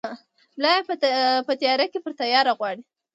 ملا ېې په تیاره کې پر تیاره غواړي!